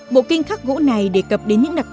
bộ kinh khắc gỗ này đề cập đến những đặc trưng